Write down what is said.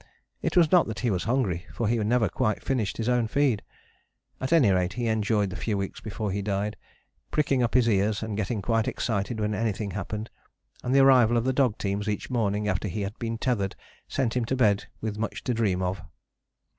It was not that he was hungry, for he never quite finished his own feed. At any rate he enjoyed the few weeks before he died, pricking up his ears and getting quite excited when anything happened, and the arrival of the dog teams each morning after he had been tethered sent him to bed with much to dream of.